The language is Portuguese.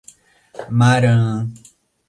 Maraã